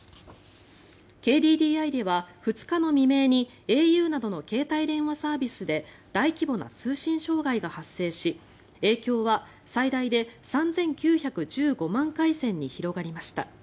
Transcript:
ＫＤＤＩでは２日の未明にａｕなどの携帯電話サービスで大規模な通信障害が発生し影響は最大で３９１５万回線に広がりました。